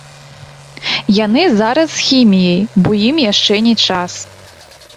Яны зараз з хіміяй, бо ім яшчэ не час.